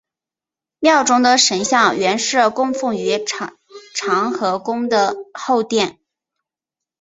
庙中的神像原是供奉于长和宫的后殿。